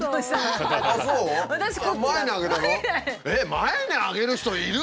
前に上げる人いる？